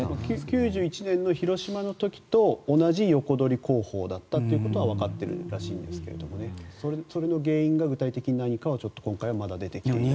９１年の広島の時と同じ横取り工法だったということはわかっているんですがそれの原因が具体的に何かはまだ出てきた以内という。